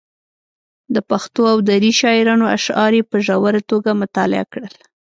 د پښتو او دري شاعرانو اشعار یې په ژوره توګه مطالعه کړل.